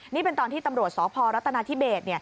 นี่เป็นตอนที่ตำรวจสพรัฐนาธิเบส